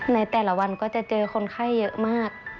ในแต่ละวันก็จะเจอคนไข้เยอะมาก